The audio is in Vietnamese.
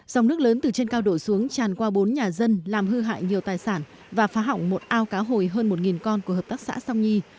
dòng nước lớn từ trên cao đổ xuống tràn qua bốn nhà dân làm hư hại nhiều tài sản và phá hỏng một ao cá hồi hơn một con của hợp tác xã song nhi